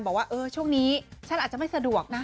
บอกว่าเออช่วงนี้ฉันอาจจะไม่สะดวกนะ